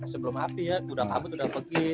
sebelum api ya udah kabut udah pergi